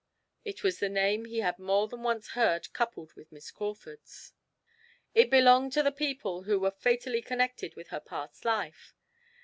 It was the name he had more than once heard coupled with Miss Crawford's; it belonged to the people who were fatally connected with her past life.